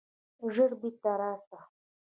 ژر بیرته راسه!